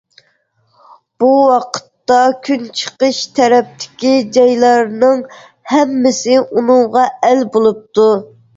بۇ ۋاقىتتا كۈنچىقىش تەرەپتىكى جايلارنىڭ ھەممىسى ئۇنىڭغا ئەل بولۇپتۇ.